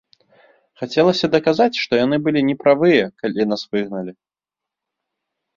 Хацелася даказаць, што яны былі не правыя, калі нас выгналі.